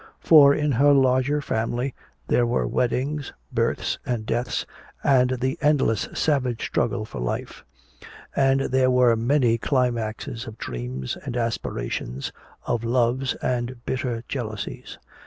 For in her larger family there were weddings, births and deaths, and the endless savage struggle for life; and there were many climaxes of dreams and aspirations, of loves and bitter jealousies.